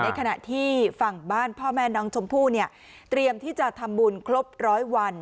ขณะที่ฝั่งบ้านพ่อแม่น้องชมพู่เนี่ยเตรียมที่จะทำบุญครบร้อยวัน